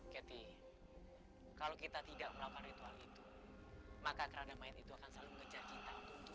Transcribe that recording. keti kalau kita tidak melakukan ritual itu maka keradah mayat itu akan selalu mengejar kita